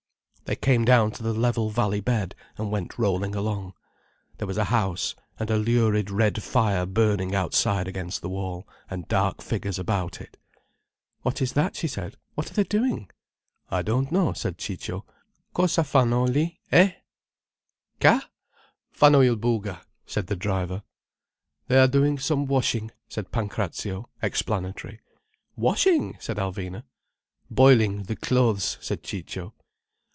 They came down to the level valley bed, and went rolling along. There was a house, and a lurid red fire burning outside against the wall, and dark figures about it. "What is that?" she said. "What are they doing?" "I don't know," said Ciccio. "Cosa fanno li—eh?" "Ka—? Fanno il buga'—" said the driver. "They are doing some washing," said Pancrazio, explanatory. "Washing!" said Alvina. "Boiling the clothes," said Ciccio.